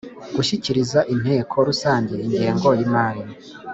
Gushyikiriza inteko rusange ingengo y imari